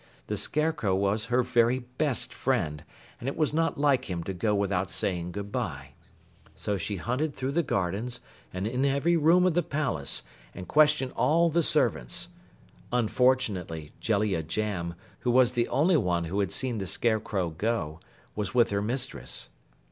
The Scarecrow was her very best friend, and it was not like him to go without saying goodbye. So she hunted through the gardens and in every room of the palace and questioned all the servants. Unfortunately, Jellia Jamb, who was the only one who had seen the Scarecrow go, was with her mistress.